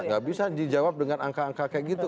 nggak bisa dijawab dengan angka angka kayak gitu